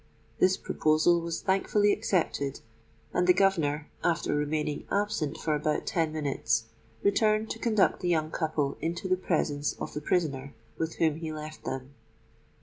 This proposal was thankfully accepted; and the governor, after remaining absent for about ten minutes, returned to conduct the young couple into the presence of the prisoner, with whom he left them.